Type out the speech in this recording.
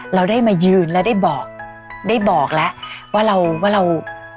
เราได้มายืนและได้บอกได้บอกแล้วว่าเราว่าเรา